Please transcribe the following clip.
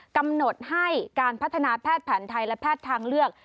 กำหนดให้การพัฒนาแพทย์แผนไทยและแพทย์ทางเลือก